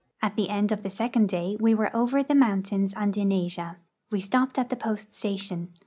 At the end of the second day we were over the mountains and in Asia. We stopped at the post station.